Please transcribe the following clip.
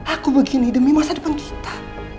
aku begini demi masa depan kita